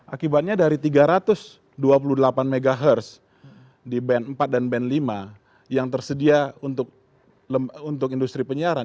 akibatnya dari tiga ratus dua puluh delapan mhz di band empat dan band lima yang tersedia untuk industri penyiaran